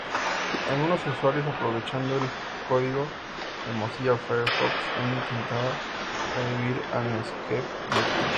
Algunos usuarios, aprovechando el código de Mozilla Firefox, han intentado revivir a Netscape Navigator.